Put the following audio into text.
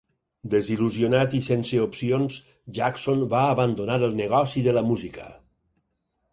Desil·lusionat i sense opcions, Jackson va abandonar el negoci de la música.